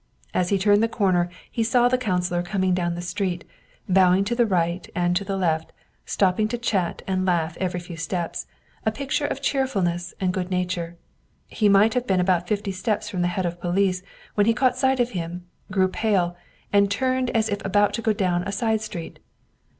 As he turned the corner he saw the coun cilor coming down the street, bowing to the right and to the left, stopping to chat and laugh every few steps, a picture of cheerfulness and good nature. He might have been about fifty steps from the head of police when he caught sight of him, grew pale, and turned as if about to go down a side street.